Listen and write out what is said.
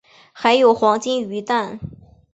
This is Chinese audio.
还有黄金鱼蛋